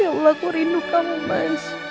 ya allah aku rindu kamu mas